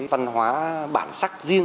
văn hóa bản sắc riêng